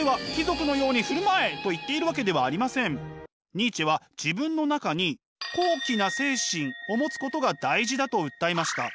ニーチェは自分の中に高貴な精神を持つことが大事だと訴えました。